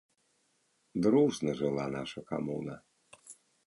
Дружна жыла наша камуна.